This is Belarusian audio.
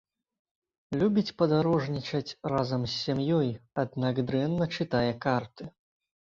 Любіць падарожнічаць разам з сям'ёй, аднак дрэнна чытае карты.